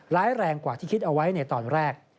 ร้ายแรงกว่าที่คิดเอาไว้ในตอนแรก